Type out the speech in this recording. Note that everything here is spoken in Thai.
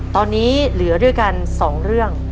ตอนนี้เหลือด้วยกัน๒เรื่อง